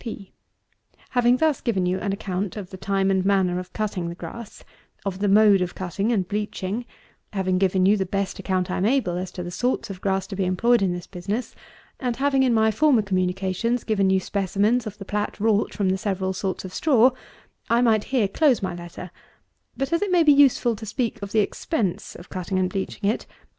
P. Having thus given you an account of the time and manner of cutting the grass, of the mode of cutting and bleaching; having given you the best account I am able, as to the sorts of grass to be employed in this business; and having, in my former communications, given you specimens of the plat wrought from the several sorts of straw, I might here close my letter; but as it may be useful to speak of the expense of cutting and bleaching, I shall trouble you with a few words relating to it.